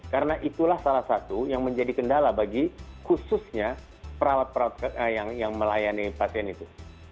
karena itulah salah satu yang menjadi kendala bagi khususnya perawat perawat yang melayani pasien itu